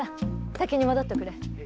先に戻っておくれ。